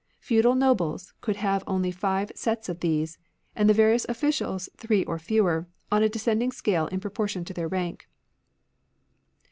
Feudal nobles could have only five sets of these, and the var ious oflficials three or fewer, on a descending scale in proportion to their rank.